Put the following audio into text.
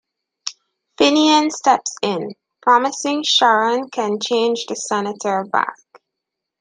Finian steps in, promising Sharon can change the Senator back.